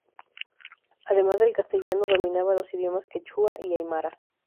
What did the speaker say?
Además del castellano, dominaba los idiomas quechua y aimara.